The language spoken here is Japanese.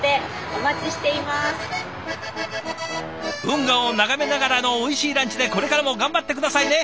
運河を眺めながらのおいしいランチでこれからも頑張って下さいね。